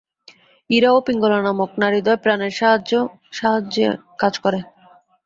ইড়া ও পিঙ্গলা নামক নাড়ীদ্বয় প্রাণের সাহায্যে কাজ করে।